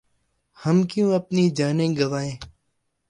ہم کیوں اپنی جانیں گنوائیں ۔